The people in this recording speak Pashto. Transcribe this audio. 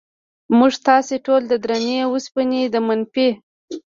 موږ تاسې ټول د درنې وسپنې د منفي